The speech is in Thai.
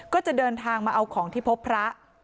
ก็จะเดินทางมาเอาของที่พบพระ